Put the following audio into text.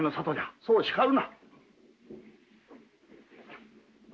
そう叱るな。